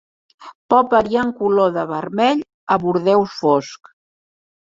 Pot variar en color de vermell a bordeus fosc.